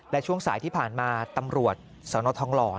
และช่วงสายที่ผ่านมาตำรวจสนทองหล่อ